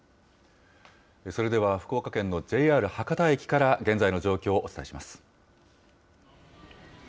それでは福岡県のＪＲ博多駅から現在の状況をお伝えします。